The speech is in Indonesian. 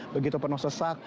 begitu penuh sesak